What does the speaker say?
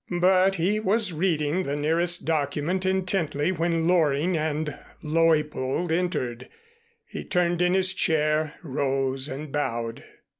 But he was reading the nearest document intently when Loring and Leuppold entered. He turned in his chair rose and bowed.